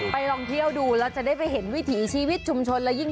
ไปลองเที่ยวดูแล้วจะได้เห็นวิถีชีวิตชุมชน